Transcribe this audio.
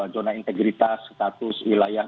zona integritas status wilayah